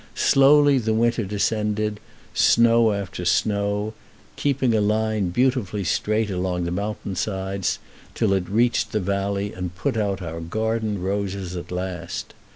Slowly the winter descended, snow after snow, keeping a line beautifully straight along the mountain sides, till it reached the valley and put out our garden roses at last.